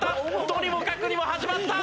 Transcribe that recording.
とにもかくにも始まった。